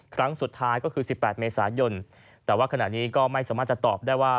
ครั้งสุดท้ายก็คือ๑๘เมษายนแต่ว่าขณะนี้ก็ไม่สามารถจะตอบได้ว่า